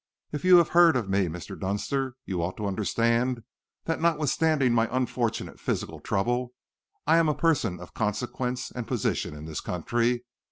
If you have heard of me, Mr. Dunster, you ought to understand that notwithstanding my unfortunate physical trouble, I am a person of consequence and position in this county.